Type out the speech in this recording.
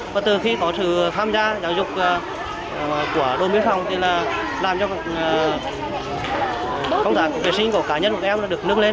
và từ khi có sự tham gia giáo dục của đồn biên phòng thì là làm cho công tác vệ sinh của cá nhân của các em được nâng lên